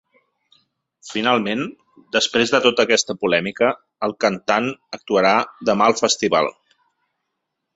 Finalment, després de tota aquesta polèmica, el cantant actuarà demà al festival.